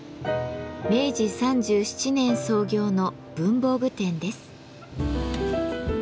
明治３７年創業の文房具店です。